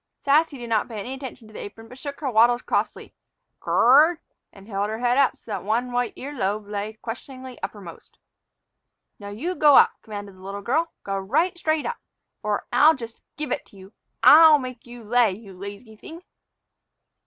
Sassy did not pay any attention to the apron, but shook her wattles crossly, "k r r red," and held her head so that one white ear lobe lay questioningly uppermost. "Now you go up," commanded the little girl; "go right straight up, or I'll just give it to you. I'll make you lay, you lazy thing!"